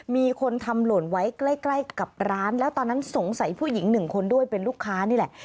มีคนทำหล่นไว้ใกล้กับร้านแล้วตอนนั้นสงสัยผู้หญิงหนึ่งคนด้วยเป็นลูกค้านี่แหละ